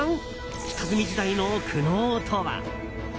下積み時代の苦悩とは？